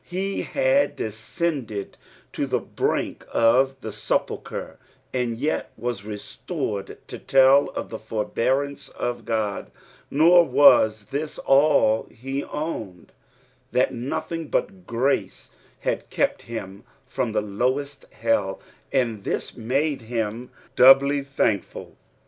He had descended to tho brink of the sepulchre, and yet was restored to tell of the forbearance of God ; nor was this all, he owned that nothing but grace bad kept him from the lowest hell, and this mode him doubly thankful.